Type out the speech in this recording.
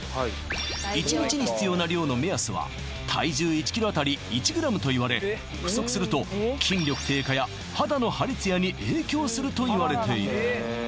１日に必要な量の目安はといわれ不足すると筋力低下や肌のハリツヤに影響するといわれている